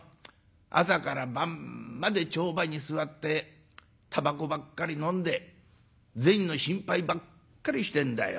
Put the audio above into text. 朝から晩まで帳場に座ってたばこばっかりのんで銭の心配ばっかりしてんだよ。